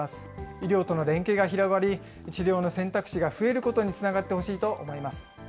医療との連携が広がり、治療の選択肢が増えることにつながってほしいと思います。